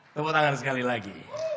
tepuk tangan sekali lagi